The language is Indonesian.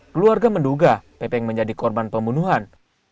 keluarga menduga pepeng menjadi korban pembunuhan